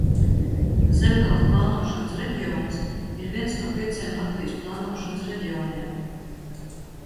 Zemgales plānošanas reģions ir viens no pieciem Latvijas plānošanas reģioniem.